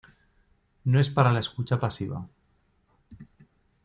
No es para la escucha pasiva.